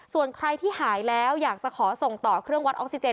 ส่วนใครที่หายแล้วอยากจะขอส่งต่อเครื่องวัดออกซิเจน